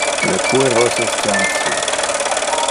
Le pueros es jam ci.